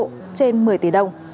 trên một mươi tỷ đồng